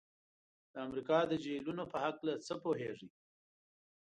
د امریکا د جهیلونو په هلکه څه پوهیږئ؟